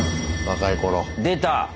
若い頃。出た。